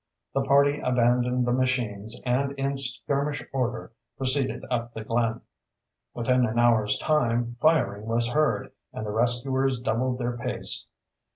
The party abandoned the machines and in skirmish order proceeded up the glen. Within an hour's time firing was heard, and the rescuers doubled their pace.